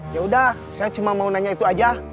yaudah saya cuma mau nanya itu aja